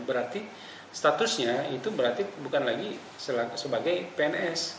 berarti statusnya itu berarti bukan lagi sebagai pns